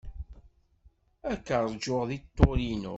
Ad k-ṛjuɣ deg Torino.